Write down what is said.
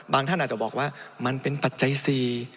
ท่านอาจจะบอกว่ามันเป็นปัจจัย๔